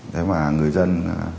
thế mà người dân